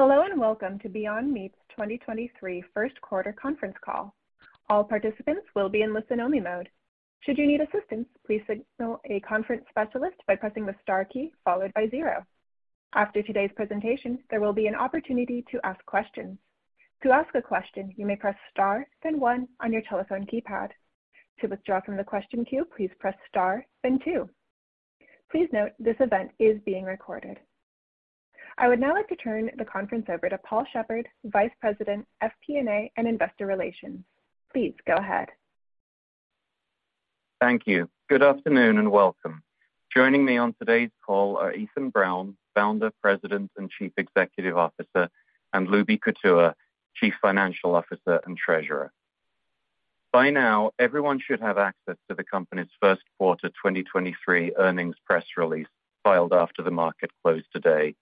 Hello and welcome to Beyond Meat's 2023 first quarter conference call. All participants will be in listen-only mode. Should you need assistance, please signal a conference specialist by pressing the star key followed by zero. After today's presentation, there will be an opportunity to ask questions. To ask a question, you may press star then one on your telephone keypad. To withdraw from the question queue, please press star then two. Please note this event is being recorded. I would now like to turn the conference over to Paul Sheppard, Vice President, FP&A, and Investor Relations. Please go ahead. Thank you. Good afternoon and welcome. Joining me on today's call are Ethan Brown, Founder, President, and Chief Executive Officer, and Lubi Kutua, Chief Financial Officer and Treasurer. By now, everyone should have access to the company's first quarter 2023 earnings press release filed after the market closed today.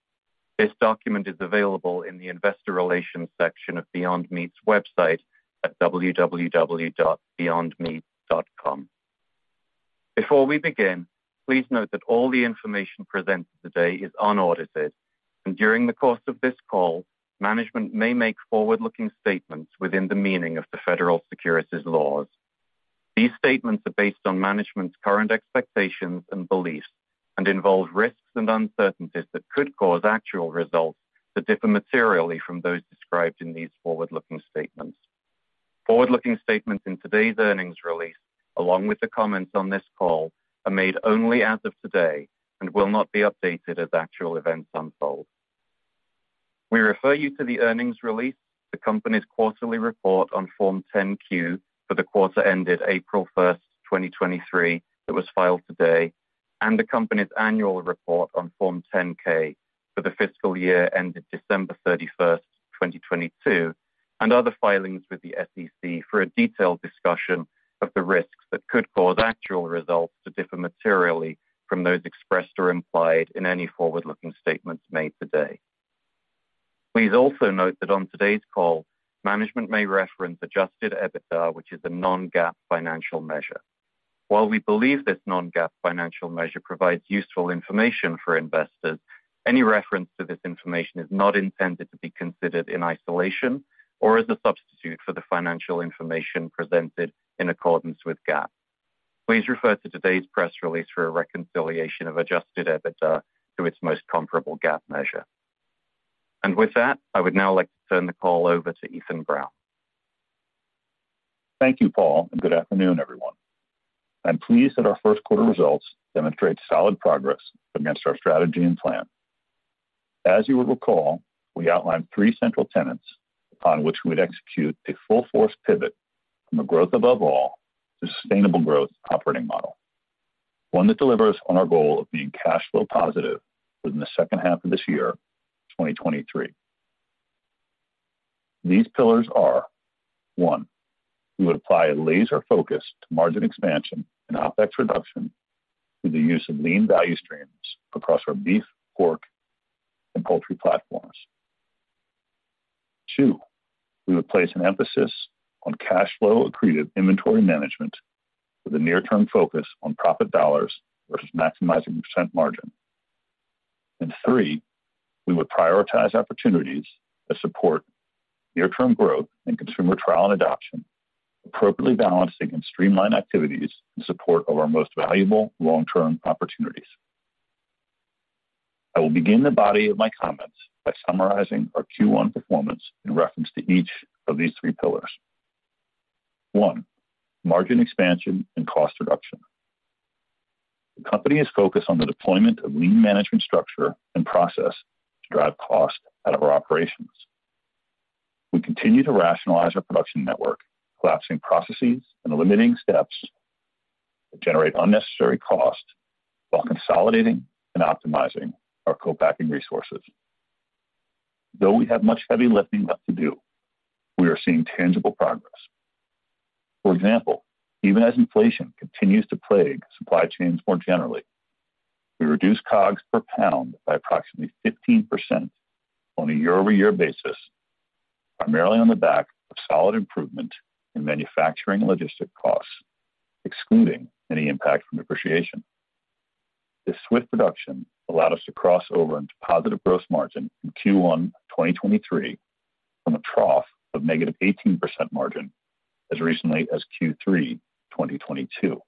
This document is available in the investor relations section of Beyond Meat's website at www.beyondmeat.com. Before we begin, please note that all the information presented today is unaudited. During the course of this call, management may make forward-looking statements within the meaning of the federal securities laws. These statements are based on management's current expectations and beliefs and involve risks and uncertainties that could cause actual results to differ materially from those described in these forward-looking statements. Forward-looking statements in today's earnings release, along with the comments on this call, are made only as of today and will not be updated as actual events unfold. We refer you to the earnings release, the company's quarterly report on Form 10-Q for the quarter ended April 1, 2023 that was filed today, and the company's annual report on Form 10-K for the fiscal year ended December 31, 2022, and other filings with the SEC for a detailed discussion of the risks that could cause actual results to differ materially from those expressed or implied in any forward-looking statements made today. Please also note that on today's call, management may reference adjusted EBITDA, which is a non-GAAP financial measure. While we believe this non-GAAP financial measure provides useful information for investors, any reference to this information is not intended to be considered in isolation or as a substitute for the financial information presented in accordance with GAAP. Please refer to today's press release for a reconciliation of adjusted EBITDA to its most comparable GAAP measure. With that, I would now like to turn the call over to Ethan Brown. Thank you, Paul. Good afternoon, everyone. I'm pleased that our first quarter results demonstrate solid progress against our strategy and plan. As you will recall, we outlined three central tenets upon which we'd execute a full force pivot from a growth above all to sustainable growth operating model. One that delivers on our goal of being cash flow positive within the second half of this year, 2023. These pillars are: One, we would apply a laser focus to margin expansion and OpEx reduction through the use of lean value streams across our beef, pork, and poultry platforms. Two, we would place an emphasis on cash flow accretive inventory management with a near-term focus on profit dollars versus maximizing percent margin. Three, we would prioritize opportunities that support near-term growth and consumer trial and adoption, appropriately balancing and streamline activities in support of our most valuable long-term opportunities. I will begin the body of my comments by summarizing our Q1 performance in reference to each of these three pillars. One, margin expansion and cost reduction. The company is focused on the deployment of lean management structure and process to drive cost out of our operations. We continue to rationalize our production network, collapsing processes and eliminating steps that generate unnecessary costs while consolidating and optimizing our co-packing resources. Though we have much heavy lifting left to do, we are seeing tangible progress. For example, even as inflation continues to plague supply chains more generally, we reduced COGS per pound by approximately 15% on a year-over-year basis, primarily on the back of solid improvement in manufacturing logistics costs, excluding any impact from depreciation. This swift reduction allowed us to cross over into positive gross margin in Q1 2023 from a trough of negative 18% margin as recently as Q3 2022.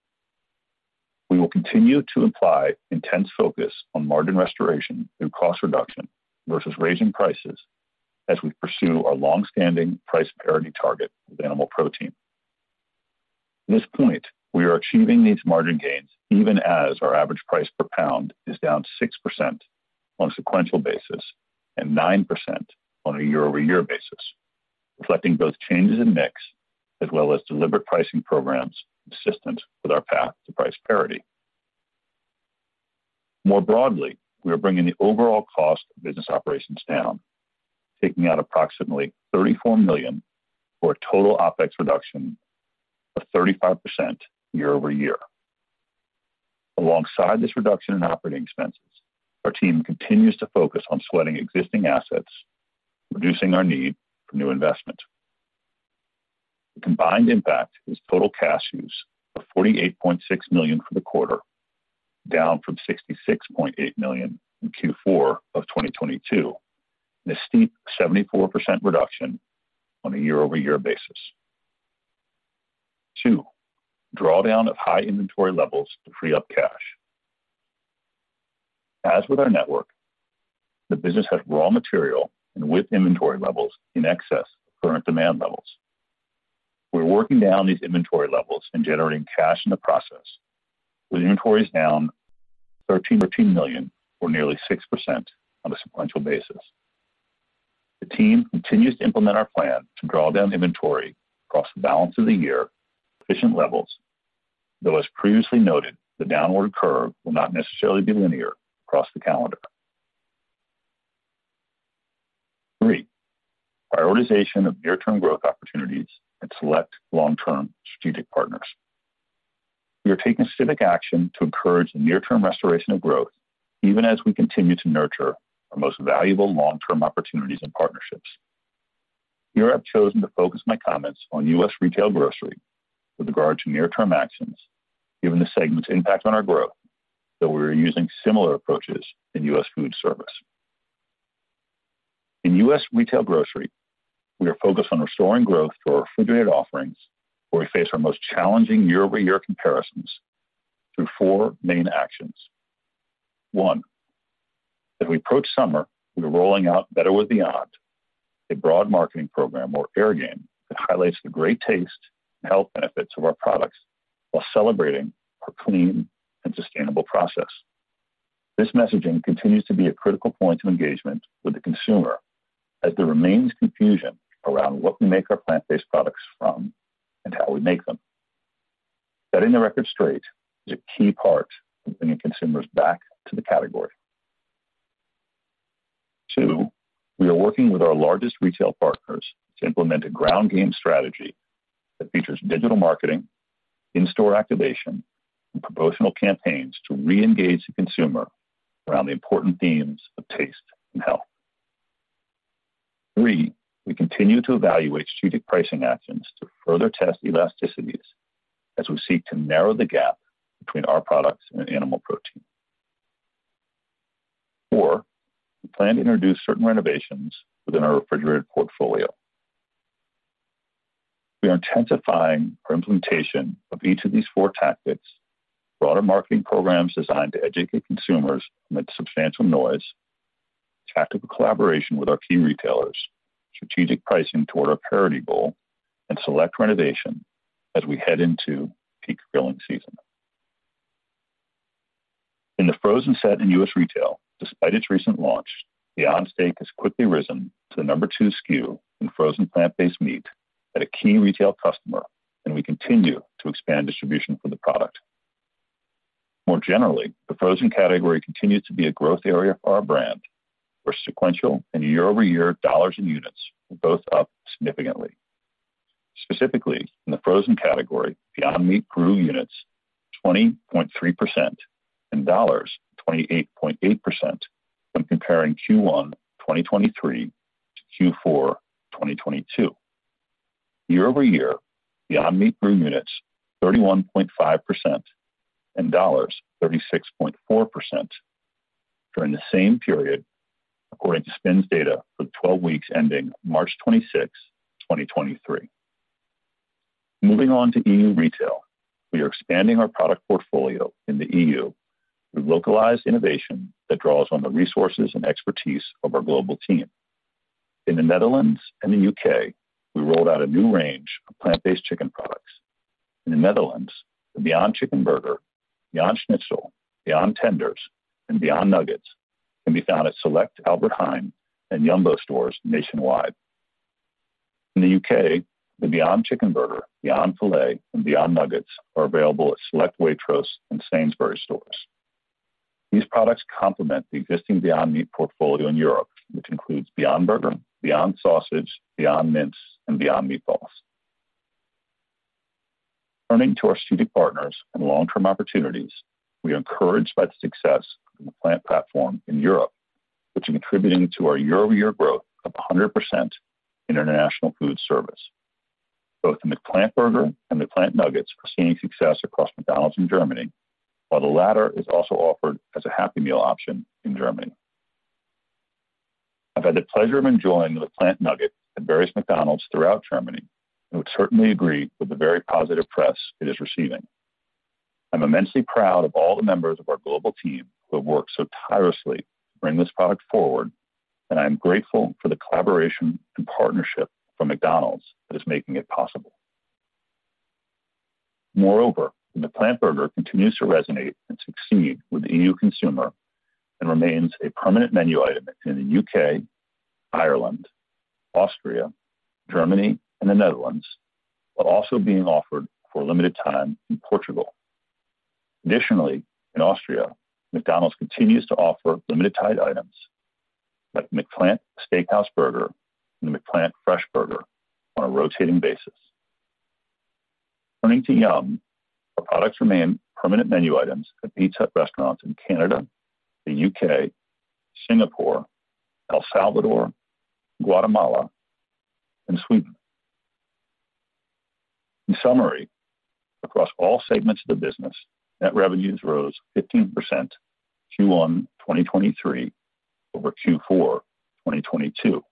We will continue to apply intense focus on margin restoration through cost reduction versus raising prices as we pursue our long-standing price parity target with animal protein. At this point, we are achieving these margin gains even as our average price per pound is down 6% on a sequential basis and 9% on a year-over-year basis, reflecting both changes in mix as well as deliberate pricing programs consistent with our path to price parity. More broadly, we are bringing the overall cost of business operations down, taking out approximately $34 million for a total OpEx reduction of 35% year-over-year. Alongside this reduction in operating expenses, our team continues to focus on sweating existing assets, reducing our need for new investment. The combined impact is total cash use of $48.6 million for the quarter, down from $66.8 million in Q4 of 2022, and a steep 74% reduction on a year-over-year basis. Two. Drawdown of high inventory levels to free up cash. As with our network, the business had raw material and with inventory levels in excess of current demand levels. We're working down these inventory levels and generating cash in the process, with inventories down $13.2 million or nearly 6% on a sequential basis. The team continues to implement our plan to draw down inventory across the balance of the year to efficient levels, though, as previously noted, the downward curve will not necessarily be linear across the calendar. Three, prioritization of near-term growth opportunities and select long-term strategic partners. We are taking civic action to encourage the near-term restoration of growth even as we continue to nurture our most valuable long-term opportunities and partnerships. Here, I've chosen to focus my comments on U.S. retail grocery with regard to near-term actions, given the segment's impact on our growth, though we are using similar approaches in U.S. food service. In U.S. retail grocery, we are focused on restoring growth to our refrigerated offerings, where we face our most challenging year-over-year comparisons through four main actions. One, as we approach summer, we are rolling out Better with Beyond, a broad marketing program or air game that highlights the great taste and health benefits of our products while celebrating our clean and sustainable process. This messaging continues to be a critical point of engagement with the consumer as there remains confusion around what we make our plant-based products from and how we make them. Setting the record straight is a key part of bringing consumers back to the category. Two, we are working with our largest retail partners to implement a ground game strategy that features digital marketing, in-store activation, and promotional campaigns to reengage the consumer around the important themes of taste and health. Three, we continue to evaluate strategic pricing actions to further test elasticities as we seek to narrow the gap between our products and animal protein. Four, we plan to introduce certain renovations within our refrigerated portfolio. We are intensifying our implementation of each of these four tactics, broader marketing programs designed to educate consumers and make substantial noise, tactical collaboration with our key retailers, strategic pricing toward our parity goal, and select renovation as we head into peak grilling season. In the frozen set in U.S. retail, despite its recent launch, Beyond Steak has quickly risen to the number two SKU in frozen plant-based meat at a key retail customer, and we continue to expand distribution for the product. More generally, the frozen category continues to be a growth area for our brand, where sequential and year-over-year dollars and units were both up significantly. Specifically, in the frozen category, Beyond Meat grew units 20.3% and dollars 28.8% when comparing Q1 2023-Q4 2022. Year-over-year, Beyond Meat grew units 31.5% and dollars 36.4% during the same period, according to SPINS data for the 12-weeks ending March 26, 2023. Moving on to EU retail. We are expanding our product portfolio in the EU with localized innovation that draws on the resources and expertise of our global team. In the Netherlands and the U.K., we rolled out a new range of plant-based chicken products. In the Netherlands, the Beyond Chicken Burger, Beyond Schnitzel, Beyond Tenders, and Beyond Nuggets can be found at select Albert Heijn and Jumbo stores nationwide. In the U.K., the Beyond Chicken Burger, Beyond Fillet, and Beyond Nuggets are available at select Waitrose and Sainsbury's stores. These products complement the existing Beyond Meat portfolio in Europe, which includes Beyond Burger, Beyond Sausage, Beyond Mince, and Beyond Meatballs. Turning to our strategic partners and long-term opportunities, we are encouraged by the success of the plant-based platform in Europe, which is contributing to our year-over-year growth of 100% in international food service. Both the McPlant Burger and McPlant Nuggets are seeing success across McDonald's in Germany, while the latter is also offered as a Happy Meal option in Germany. I've had the pleasure of enjoying the McPlant Nugget at various McDonald's throughout Germany and would certainly agree with the very positive press it is receiving. I'm immensely proud of all the members of our global team who have worked so tirelessly to bring this product forward, and I am grateful for the collaboration and partnership from McDonald's that is making it possible. The McPlant Burger continues to resonate and succeed with the EU consumer and remains a permanent menu item in the U.K., Ireland, Austria, Germany, and the Netherlands, while also being offered for a limited time in Portugal. Additionally, in Austria, McDonald's continues to offer limited-time items like the McPlant Steakhouse Burger and the McPlant Fresh Burger on a rotating basis. Turning to Yum, our products remain permanent menu items at pizza restaurants in Canada, the U.K., Singapore, El Salvador, Guatemala, and Sweden. In summary, across all segments of the business, net revenues rose 15% Q1 2023 over Q4 2022,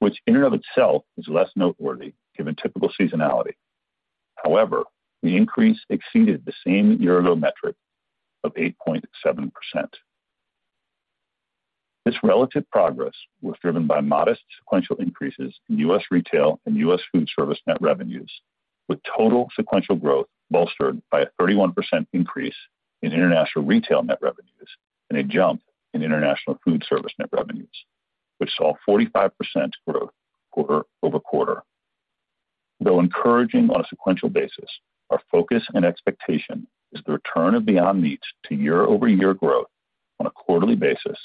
which in and of itself is less noteworthy given typical seasonality. However, the increase exceeded the same year-ago metric of 8.7%. This relative progress was driven by modest sequential increases in U.S. retail and U.S. food service net revenues, with total sequential growth bolstered by a 31% increase in international retail net revenues and a jump in international food service net revenues, which saw 45% growth quarter-over-quarter. Though encouraging on a sequential basis, our focus and expectation is the return of Beyond Meat to year-over-year growth on a quarterly basis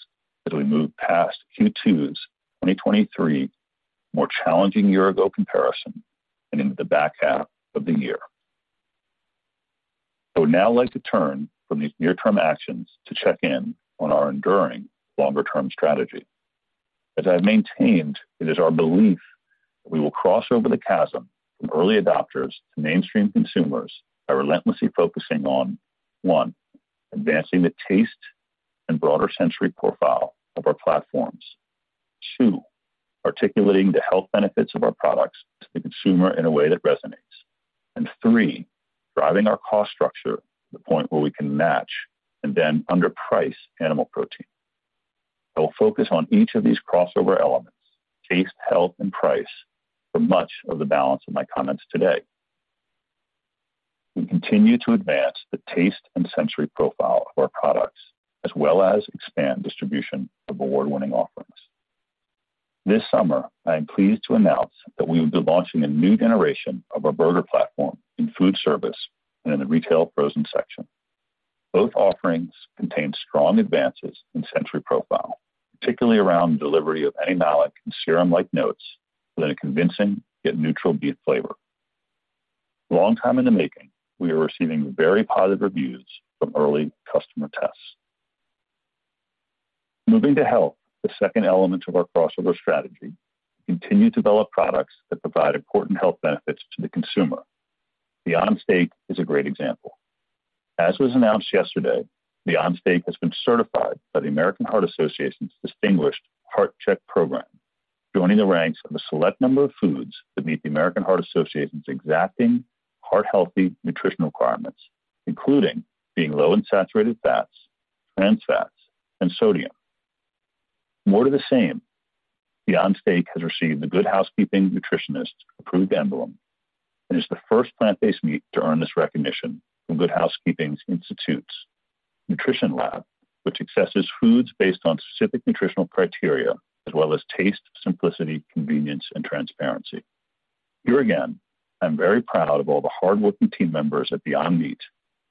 as we move past Q2's 2023 more challenging year ago comparison and into the back half of the year. I would now like to turn from these near-term actions to check in on our enduring longer-term strategy. As I've maintained, it is our belief that we will cross over the chasm from early adopters to mainstream consumers by relentlessly focusing on, one, advancing the taste and broader sensory profile of our platforms. Two, articulating the health benefits of our products to the consumer in a way that resonates. Three, driving our cost structure to the point where we can match and then underprice animal protein. I will focus on each of these crossover elements, taste, health, and price, for much of the balance of my comments today. We continue to advance the taste and sensory profile of our products as well as expand distribution of award-winning offerings. This summer, I am pleased to announce that we will be launching a new generation of our burger platform in food service and in the retail frozen section. Both offerings contain strong advances in sensory profile, particularly around the delivery of animalic and serum-like notes within a convincing yet neutral beef flavor. Long time in the making, we are receiving very positive reviews from early customer tests. Moving to health, the second element of our crossover strategy, we continue to develop products that provide important health benefits to the consumer. Beyond Steak is a great example. As was announced yesterday, Beyond Steak has been certified by the American Heart Association's distinguished Heart-Check program, joining the ranks of a select number of foods that meet the American Heart Association's exacting heart-healthy nutrition requirements, including being low in saturated fats, trans fats, and sodium. More to the same, Beyond Steak has received the Good Housekeeping Nutritionist Approved Emblem and is the first plant-based meat to earn this recognition from Good Housekeeping Institute's Nutrition Lab, which assesses foods based on specific nutritional criteria as well as taste, simplicity, convenience, and transparency. Here again, I'm very proud of all the hardworking team members at Beyond Meat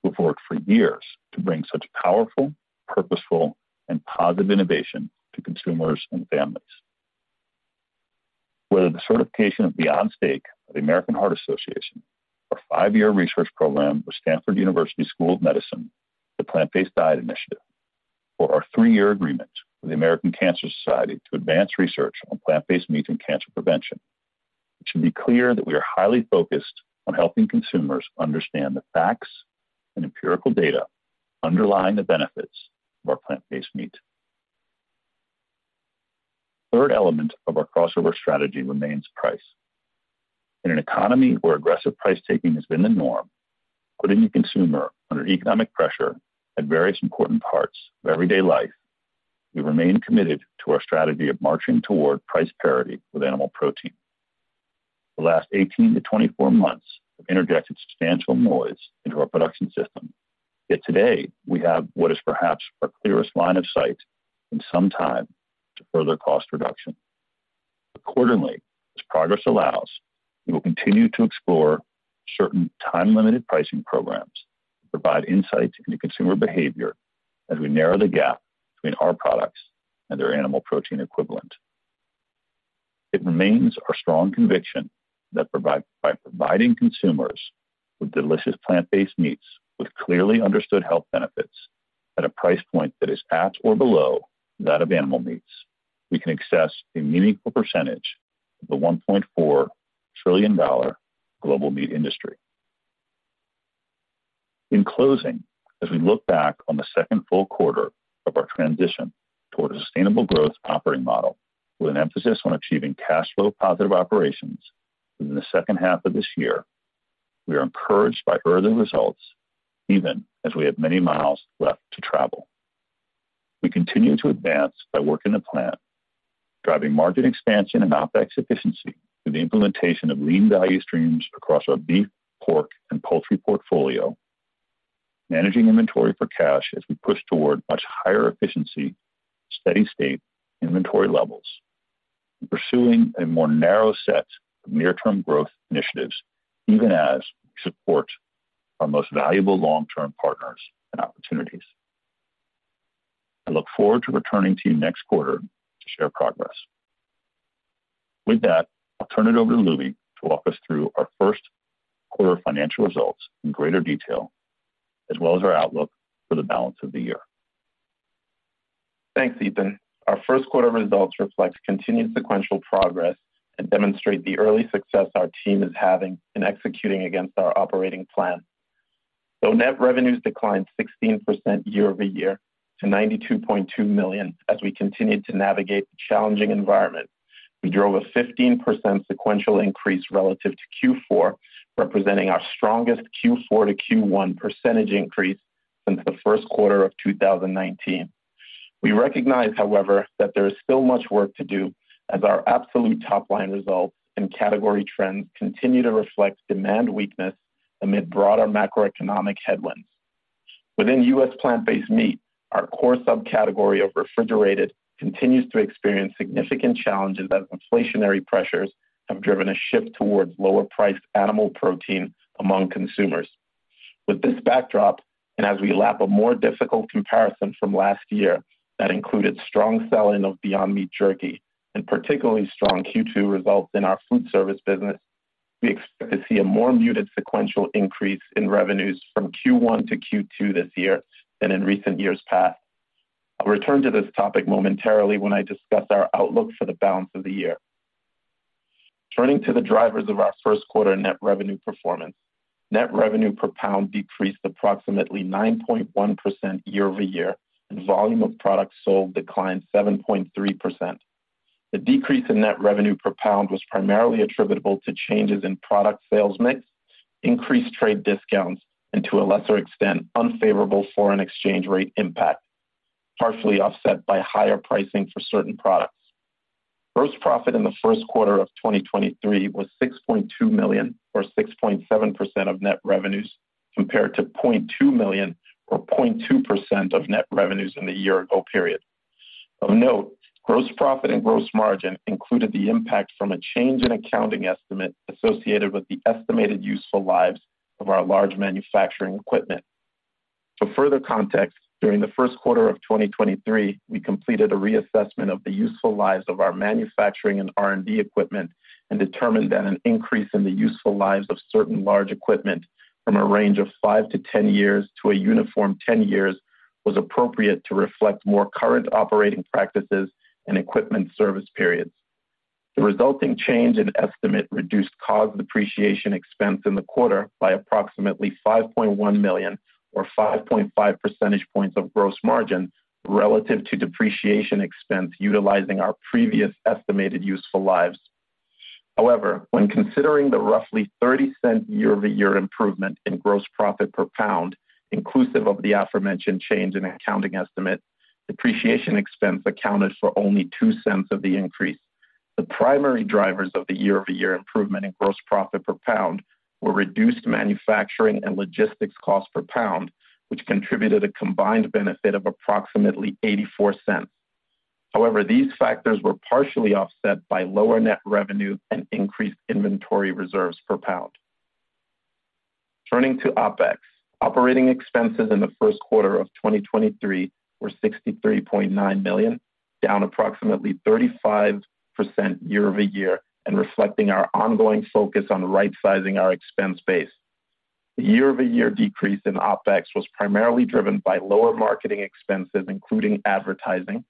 who have worked for years to bring such powerful, purposeful, and positive innovation to consumers and families. Whether the certification of Beyond Steak by the American Heart Association, our five year research program with Stanford University School of Medicine, the Plant-Based Diet Initiative, or our three year agreement with the American Cancer Society to advance research on plant-based meat and cancer prevention, it should be clear that we are highly focused on helping consumers understand the facts and empirical data underlying the benefits of our plant-based meat. Third element of our crossover strategy remains price. In an economy where aggressive price taking has been the norm, putting the consumer under economic pressure at various important parts of everyday life, we remain committed to our strategy of marching toward price parity with animal protein. The last 18-24 months have interjected substantial noise into our production system. Yet today, we have what is perhaps our clearest line of sight in some time to further cost reduction. Accordingly, as progress allows, we will continue to explore certain time-limited pricing programs to provide insights into consumer behavior as we narrow the gap between our products and their animal protein equivalent. It remains our strong conviction that by providing consumers with delicious plant-based meats with clearly understood health benefits at a price point that is at or below that of animal meats, we can access a meaningful percentage of the $1.4 trillion global meat industry. In closing, as we look back on the second full quarter of our transition toward a sustainable growth operating model with an emphasis on achieving cash flow positive operations within the second half of this year, we are encouraged by early results even as we have many miles left to travel. We continue to advance by working the plan, driving margin expansion and OpEx efficiency through the implementation of lean value streams across our beef, pork, and poultry portfolio, managing inventory for cash as we push toward much higher efficiency, steady state inventory levels, and pursuing a more narrow set of near-term growth initiatives even as we support our most valuable long-term partners and opportunities. I look forward to returning to you next quarter to share progress. With that, I'll turn it over to Lubi to walk us through our first quarter financial results in greater detail, as well as our outlook for the balance of the year. Thanks, Ethan. Our first quarter results reflect continued sequential progress and demonstrate the early success our team is having in executing against our operating plan. Though net revenues declined 16% year-over-year to $92.2 million as we continued to navigate the challenging environment, we drove a 15% sequential increase relative to Q4, representing our strongest Q4 to Q1 percentage increase since the first quarter of 2019. We recognize, however, that there is still much work to do as our absolute top-line results and category trends continue to reflect demand weakness amid broader macroeconomic headwinds. Within U.S. plant-based meat, our core subcategory of refrigerated continues to experience significant challenges as inflationary pressures have driven a shift towards lower-priced animal protein among consumers. With this backdrop, as we lap a more difficult comparison from last year that included strong selling of Beyond Meat Jerky and particularly strong Q2 results in our food service business, we expect to see a more muted sequential increase in revenues from Q1-Q2 this year than in recent years past. I'll return to this topic momentarily when I discuss our outlook for the balance of the year. Turning to the drivers of our first quarter net revenue performance. Net revenue per pound decreased approximately 9.1% year-over-year, and volume of products sold declined 7.3%. The decrease in net revenue per pound was primarily attributable to changes in product sales mix, increased trade discounts, and to a lesser extent, unfavorable foreign exchange rate impact, partially offset by higher pricing for certain products. Gross profit in the first quarter of 2023 was $6.2 million or 6.7% of net revenues, compared to $0.2 million or 0.2% of net revenues in the year-ago period. Of note, gross profit and gross margin included the impact from a change in accounting estimate associated with the estimated useful lives of our large manufacturing equipment. For further context, during the first quarter of 2023, we completed a reassessment of the useful lives of our manufacturing and R&D equipment and determined that an increase in the useful lives of certain large equipment from a range of five to 10-years to a uniform 10-years was appropriate to reflect more current operating practices and equipment service periods. The resulting change in estimate reduced cost depreciation expense in the quarter by approximately $5.1 million or 5.5 percentage points of gross margin relative to depreciation expense utilizing our previous estimated useful lives. When considering the roughly $0.30 year-over-year improvement in gross profit per pound, inclusive of the aforementioned change in accounting estimate, depreciation expense accounted for only $0.02 of the increase. The primary drivers of the year-over-year improvement in gross profit per pound were reduced manufacturing and logistics costs per pound, which contributed a combined benefit of approximately $0.84. These factors were partially offset by lower net revenue and increased inventory reserves per pound. Turning to OpEx. Operating expenses in the first quarter of 2023 were $63.9 million, down approximately 35% year-over-year and reflecting our ongoing focus on right-sizing our expense base. The year-over-year decrease in OpEx was primarily driven by lower marketing expenses, including advertising,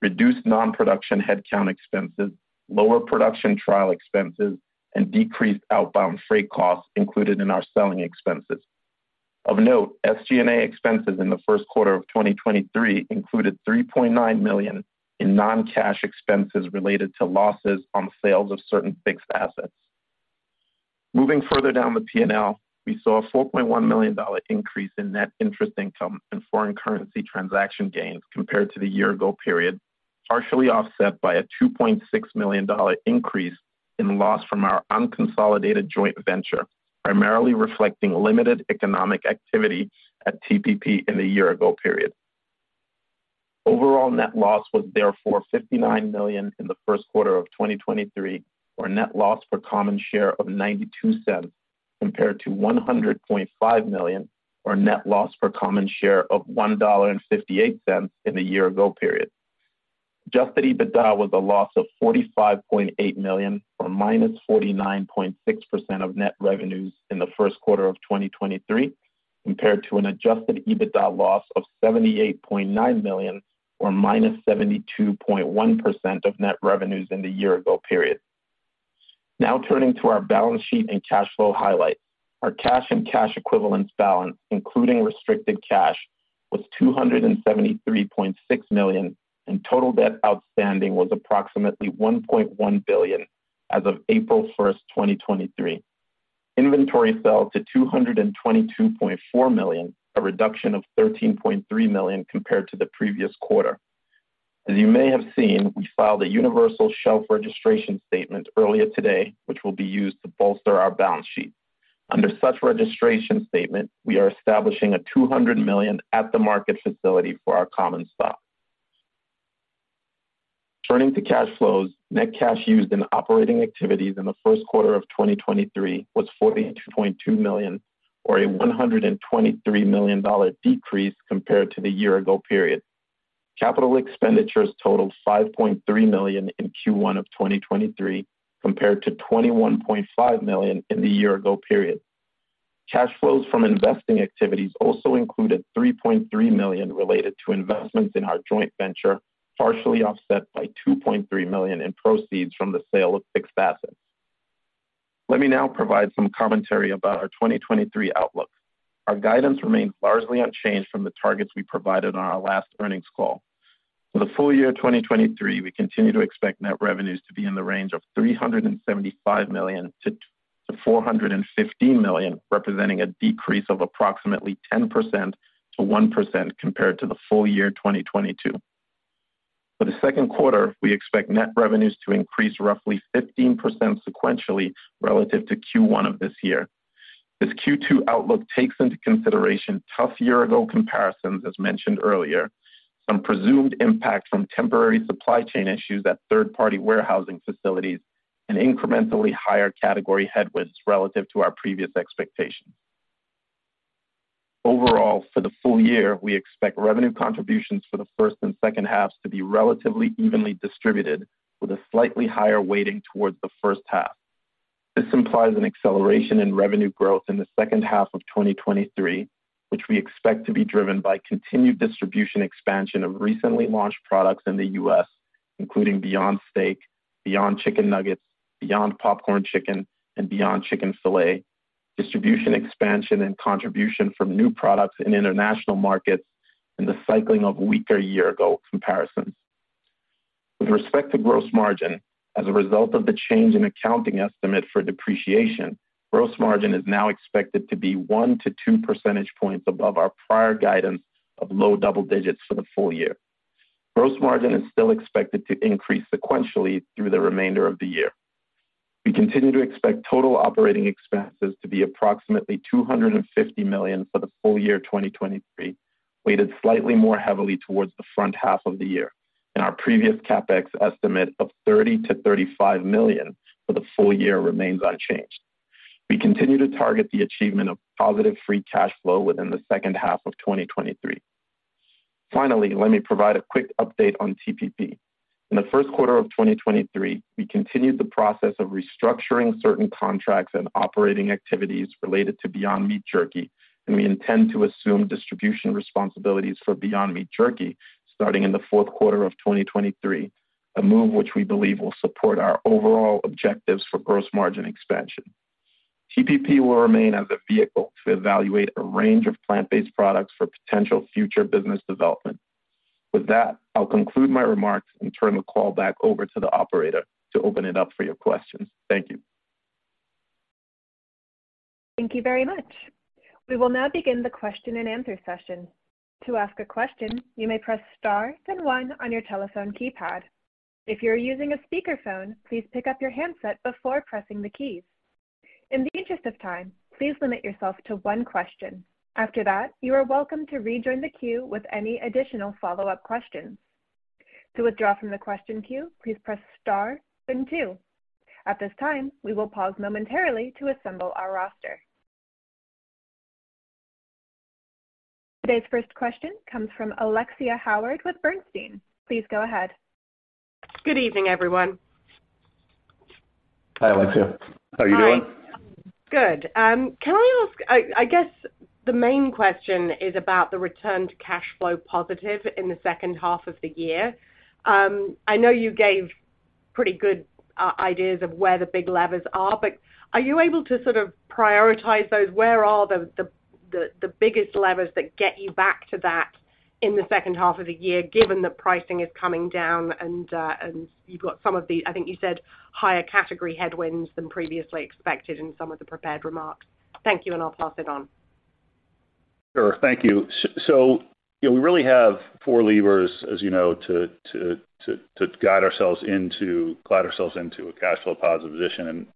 reduced non-production headcount expenses, lower production trial expenses, and decreased outbound freight costs included in our selling expenses. Of note, SG&A expenses in the first quarter of 2023 included $3.9 million in non-cash expenses related to losses on sales of certain fixed assets. Moving further down the P&L, we saw a $4.1 million increase in net interest income and foreign currency transaction gains compared to the year-ago period, partially offset by a $2.6 million increase in loss from our unconsolidated joint venture, primarily reflecting limited economic activity at TPP in the year-ago period. Overall net loss was therefore $59 million in the first quarter of 2023, or net loss per common share of $0.92, compared to $100.5 million, or net loss per common share of $1.58 in the year-ago period. adjusted EBITDA was a loss of $45.8 million or -49.6% of net revenues in the first quarter of 2023, compared to an adjusted EBITDA loss of $78.9 million or -72.1% of net revenues in the year-ago period. Turning to our balance sheet and cash flow highlights. Our cash and cash equivalents balance, including restricted cash, was $273.6 million, and total debt outstanding was approximately $1.1 billion as of April first, 2023. Inventory fell to $222.4 million, a reduction of $13.3 million compared to the previous quarter. You may have seen, we filed a universal shelf registration statement earlier today, which will be used to bolster our balance sheet. Under such registration statement, we are establishing a $200 million at-the-market facility for our common stock. Turning to cash flows, net cash used in operating activities in the first quarter of 2023 was $42.2 million or a $123 million decrease compared to the year-ago period. Capital expenditures totaled $5.3 million in Q1 of 2023 compared to $21.5 million in the year-ago period. Cash flows from investing activities also included $3.3 million related to investments in our joint venture, partially offset by $2.3 million in proceeds from the sale of fixed assets. Let me now provide some commentary about our 2023 outlook. Our guidance remains largely unchanged from the targets we provided on our last earnings call. For the full year 2023, we continue to expect net revenues to be in the range of $375 million-$415 million, representing a decrease of approximately 10%,1% compared to the full year 2022. For the second quarter, we expect net revenues to increase roughly 15% sequentially relative to Q1 of this year. This Q2 outlook takes into consideration tough year-ago comparisons as mentioned earlier, some presumed impact from temporary supply chain issues at third-party warehousing facilities, and incrementally higher category headwinds relative to our previous expectations. Overall, for the full year, we expect revenue contributions for the first and second halves to be relatively evenly distributed, with a slightly higher weighting towards the first half. This implies an acceleration in revenue growth in the second half of 2023, which we expect to be driven by continued distribution expansion of recently launched products in the U.S., including Beyond Steak, Beyond Chicken Nuggets, Beyond Popcorn Chicken, and Beyond Chicken Fillet, distribution expansion and contribution from new products in international markets, and the cycling of weaker year-ago comparisons. With respect to gross margin, as a result of the change in accounting estimate for depreciation, gross margin is now expected to be one to two percentage points above our prior guidance of low double digits for the full year. Gross margin is still expected to increase sequentially through the remainder of the year. We continue to expect total operating expenses to be approximately $250 million for the full year 2023, weighted slightly more heavily towards the front half of the year. Our previous CapEx estimate of $30 million-$35 million for the full year remains unchanged. We continue to target the achievement of positive free cash flow within the second half of 2023. Finally, let me provide a quick update on TPP. In the first quarter of 2023, we continued the process of restructuring certain contracts and operating activities related to Beyond Meat Jerky, and we intend to assume distribution responsibilities for Beyond Meat Jerky starting in the fourth quarter of 2023, a move which we believe will support our overall objectives for gross margin expansion. TPP will remain as a vehicle to evaluate a range of plant-based products for potential future business development. With that, I'll conclude my remarks and turn the call back over to the operator to open it up for your questions. Thank you. Thank you very much. We will now begin the question and answer session. To ask a question, you may press star then one on your telephone keypad. If you're using a speakerphone, please pick up your handset before pressing the keys. In the interest of time, please limit yourself to one question. After that, you are welcome to rejoin the queue with any additional follow-up questions. To withdraw from the question queue, please press star then two. At this time, we will pause momentarily to assemble our roster. Today's first question comes from Alexia Howard with Bernstein. Please go ahead. Good evening, everyone. Hi, Alexia. How are you doing? Hi. Good. I guess the main question is about the return to cash flow positive in the second half of the year. I know you gave pretty good ideas of where the big levers are, but are you able to sort of prioritize those? Where are the biggest levers that get you back to that in the second half of the year, given that pricing is coming down and you've got some of the, I think you said, higher category headwinds than previously expected in some of the prepared remarks? Thank you, and I'll pass it on. Sure. Thank you. So, you know, we really have four levers, as you know, to guide ourselves into a cash flow positive position,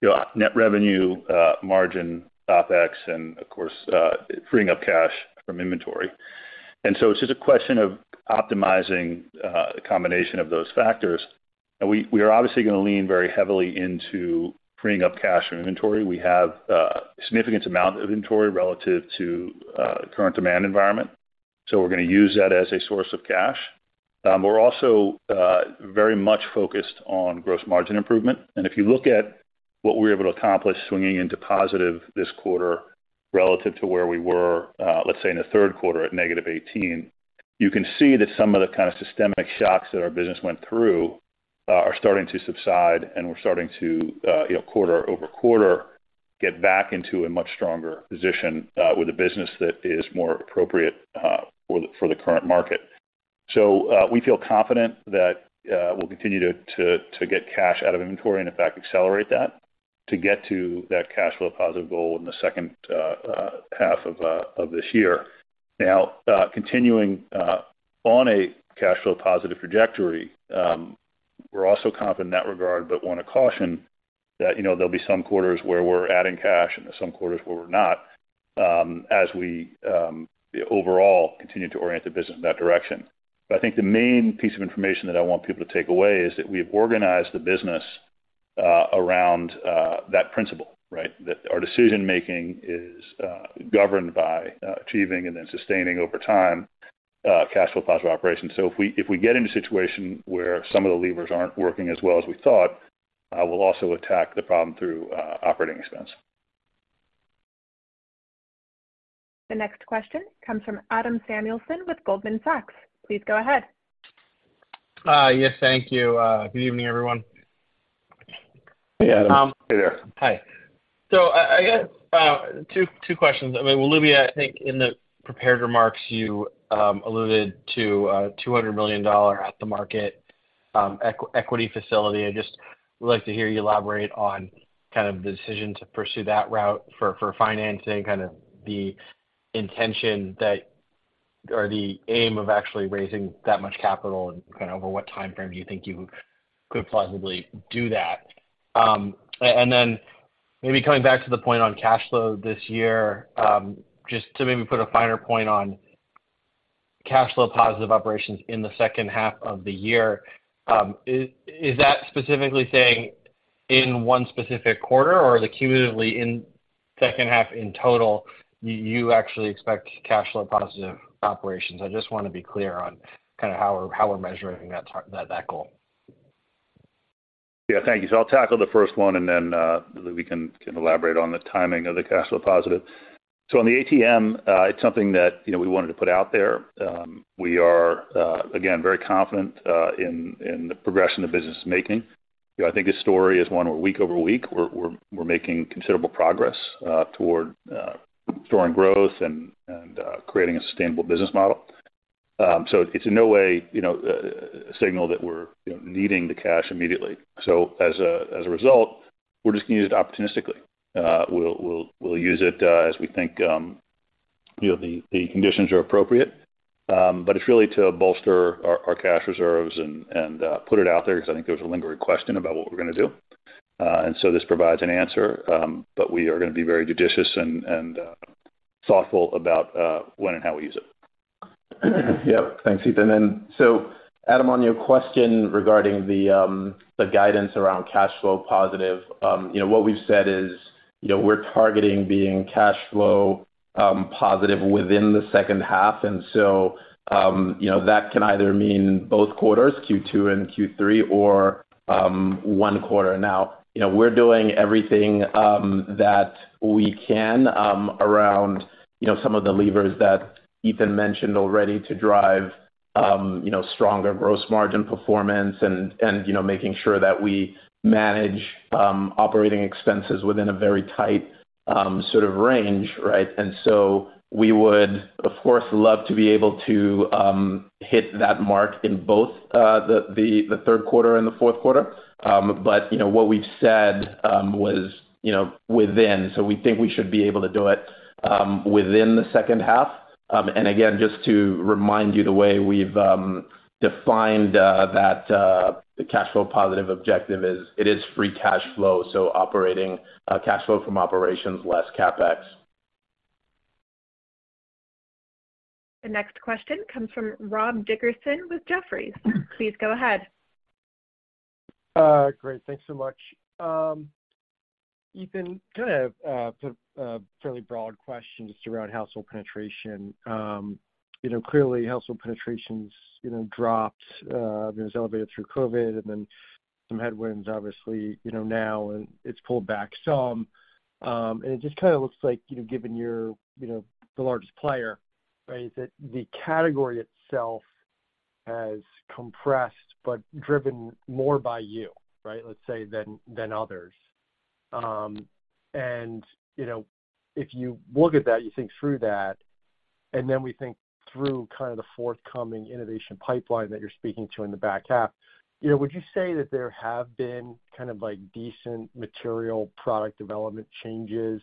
you know, net revenue, margin, OpEx and of course, freeing up cash from inventory. It's just a question of optimizing a combination of those factors. We are obviously gonna lean very heavily into freeing up cash from inventory. We have a significant amount of inventory relative to current demand environment. We're gonna use that as a source of cash. We're also very much focused on gross margin improvement. If you look at what we were able to accomplish swinging into positive this quarter relative to where we were, let's say in the third quarter at -18, you can see that some of the kind of systemic shocks that our business went through are starting to subside and we're starting to, you know, quarter-over-quarter, get back into a much stronger position with a business that is more appropriate for the current market. We feel confident that we'll continue to get cash out of inventory and in fact accelerate that to get to that cash flow positive goal in the second half of this year. Continuing on a cash flow positive trajectory. We're also confident in that regard, wanna caution that, you know, there'll be some quarters where we're adding cash and some quarters where we're not, as we overall continue to orient the business in that direction. I think the main piece of information that I want people to take away is that we've organized the business, around that principle, right? That our decision-making is governed by achieving and then sustaining over time, cash flow, positive operations. If we get in a situation where some of the levers aren't working as well as we thought, we'll also attack the problem through operating expense. The next question comes from Adam Samuelson with Goldman Sachs. Please go ahead. Yes, thank you. Good evening, everyone. Hey, Adam. Hey there. Hi. I guess, two questions. I mean, well, Lubi, I think in the prepared remarks you alluded to a $200 million at-the-market equity facility. I just would like to hear you elaborate on kind of the decision to pursue that route for financing, kind of the intention that or the aim of actually raising that much capital and kind of over what timeframe do you think you could plausibly do that? Then maybe coming back to the point on cash flow this year, just to maybe put a finer point on cash flow positive operations in the second half of the year, is that specifically saying in one specific quarter or cumulatively in second half in total, you actually expect cash flow positive operations? I just wanna be clear on kinda how we're measuring that goal. Yeah, thank you. I'll tackle the first one, and then we can elaborate on the timing of the cash flow positive. On the ATM, it's something that, you know, we wanted to put out there. We are again very confident in the progression the business is making. You know, I think this story is one where week-over-week, we're making considerable progress toward storing growth and creating a sustainable business model. It's in no way, you know, a signal that we're, you know, needing the cash immediately. As a result, we're just gonna use it opportunistically. We'll use it as we think, you know, the conditions are appropriate. It's really to bolster our cash reserves and, put it out there 'cause I think there's a lingering question about what we're gonna do. This provides an answer, but we are gonna be very judicious and, thoughtful about, when and how we use it. Yep. Thanks, Ethan. Adam, on your question regarding the guidance around cash flow positive, you know, what we've said is, you know, we're targeting being cash flow positive within the second half. You know, that can either mean both quarters, Q2 and Q3 or one quarter. Now, you know, we're doing everything that we can around, you know, some of the levers that Ethan mentioned already to drive, you know, stronger gross margin performance and, you know, making sure that we manage operating expenses within a very tight sort of range, right? We would of course, love to be able to hit that mark in both the third quarter and the fourth quarter. You know, what we've said was, you know, within. We think we should be able to do it within the second half. Again, just to remind you, the way we've defined that the cash flow positive objective is it is free cash flow, so operating cash flow from operations less CapEx. The next question comes from Rob Dickerson with Jefferies. Please go ahead. Great. Thanks so much. Ethan, kind of a fairly broad question just around household penetration. You know, clearly household penetration's, you know, dropped, been as elevated through COVID and then some headwinds obviously, you know, now and it's pulled back some. It just kinda looks like, you know, given you're, you know, the largest player, right, is that the category itself has compressed but driven more by you, right, let's say than others. You know, if you look at that, you think through that, and then we think through kind of the forthcoming innovation pipeline that you're speaking to in the back half, you know, would you say that there have been kind of like decent material, product development changes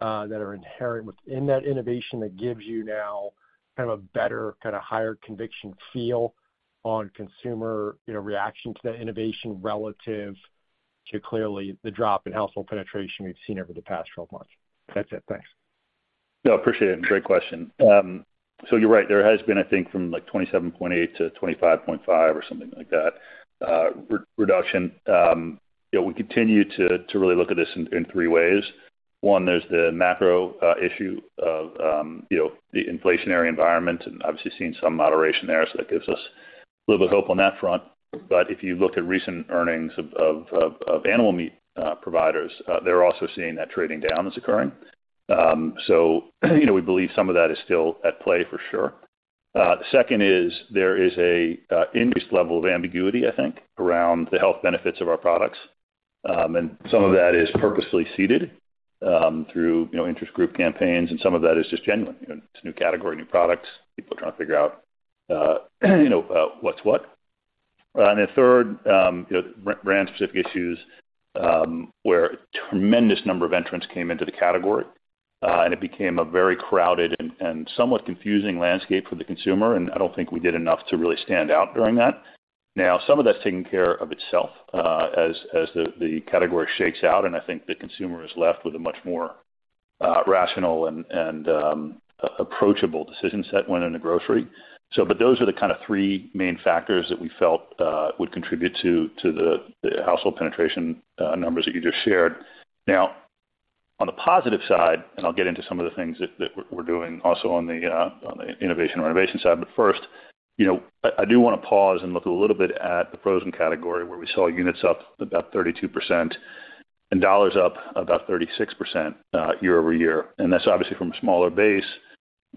that are inherent within that innovation that gives you now kind of a better kind of higher conviction feel on consumer, you know, reaction to the innovation relative to clearly the drop in household penetration we've seen over the past 12-months? That's it. Thanks. No, I appreciate it. Great question. You're right. There has been, I think from like 27.8%-25.5% or something like that, re-reduction. You know, we continue to really look at this in three ways. One, there's the macro issue of, you know, the inflationary environment and obviously seeing some moderation there. That gives us a little bit hope on that front. If you look at recent earnings of animal meat providers, they're also seeing that trading down is occurring. You know, we believe some of that is still at play for sure. Second is there is an increased level of ambiguity, I think, around the health benefits of our products. Some of that is purposefully seeded, through, you know, interest group campaigns, and some of that is just genuine. You know, it's a new category, new products, people are trying to figure out, you know, what's what. Third, you know, brand specific issues, where tremendous number of entrants came into the category. It became a very crowded and somewhat confusing landscape for the consumer, and I don't think we did enough to really stand out during that. Now, some of that's taking care of itself, as the category shakes out, and I think the consumer is left with a much more rational and approachable decision set when in a grocery. Those are the kind of three main factors that we felt would contribute to the household penetration numbers that you just shared. On the positive side, I'll get into some of the things that we're doing also on the innovation renovation side. First, you know, I do wanna pause and look a little bit at the frozen category, where we saw units up about 32% and dollars up about 36% year-over-year. That's obviously from a smaller base,